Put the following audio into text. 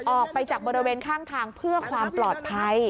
ออกไปจากบริเวณข้างทางเพื่อความปลอดภัย